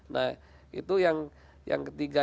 nah itu yang ketiga